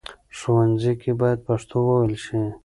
ښوونځي کې بايد پښتو وويل شي.